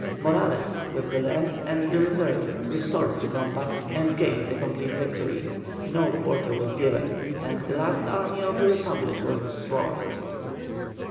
Morales, with the left and the reserve, restored the combat and gained a complete victory. No quarter was given and the last army of the Republic was destroyed.